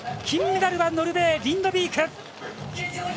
金メダルはノルウェー、リンドビーク。